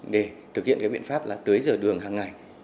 để thực hiện biện pháp tới giờ đường hàng ngày